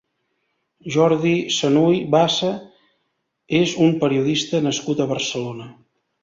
Jordi Sanuy Bassa és un periodista nascut a Barcelona.